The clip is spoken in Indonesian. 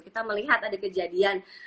kita melihat ada kejadian